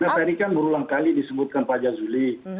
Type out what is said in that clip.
nah tadi kan berulang kali disebutkan pak jazuli